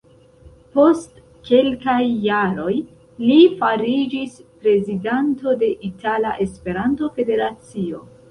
Post kelkaj jaroj, li fariĝis prezidanto de Itala Esperanto-Federacio.